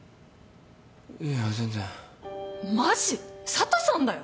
佐都さんだよ！？